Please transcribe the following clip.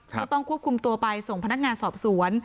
ก็ต้องควบคุมตัวไปส่งพนักงานสอบสวน